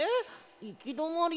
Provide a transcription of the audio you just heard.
いきどまり？